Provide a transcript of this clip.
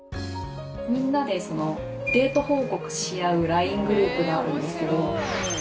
みんなでそのデート報告し合うＬＩＮＥグループがあるんですけど。